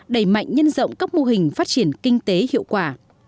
đẩy mạnh nhân rộng các mô hình phát triển kinh tế hiệu quả